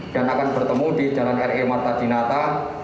dan akan bertemu di jalan re marta dinata